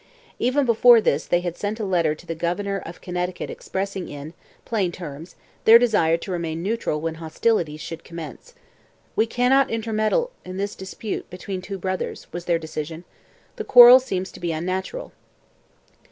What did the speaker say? Even before this they had sent a letter to the governor of Connecticut expressing in, plain terms their desire to remain neutral when hostilities should commence. 'We cannot intermeddle in this dispute between two brothers,' was their decision. 'The quarrel seems to be unnatural.'